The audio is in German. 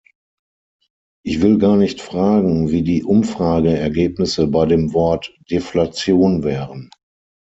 Ich will gar nicht fragen, wie die Umfrageergebnisse bei dem Wort "Deflation" wären.